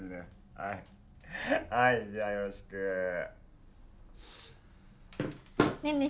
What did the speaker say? はいはいじゃあよろしくーねえねえ